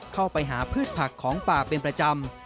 เข้าไปหาพืชผักของป่าเป็นประจำ